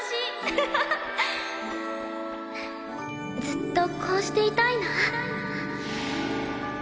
ずっとこうしていたいな。